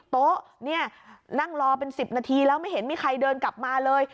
โต๊ะเนี่ยนั่งรอเป็น๑๐นาทีแล้วไม่เห็นมีใครเดินกลับมาเลย